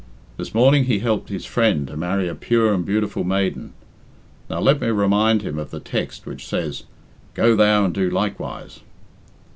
"This morning he helped his friend to marry a pure and beautiful maiden. Now let me remind him of the text which says, 'Go thou and do likewise.'"